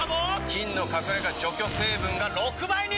菌の隠れ家除去成分が６倍に！